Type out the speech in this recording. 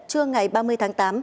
trưa ngày ba mươi tháng tám